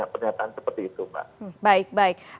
pernyataan seperti itu pak